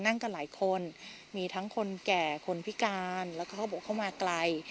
นั่งกันหลายคนมีทั้งคนแก่คนพิการแล้วก็เขาบอกเขามาไกล